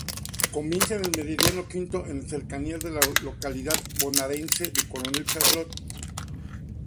Comienza en el Meridiano V en cercanías de la localidad bonaerense de Coronel Charlone.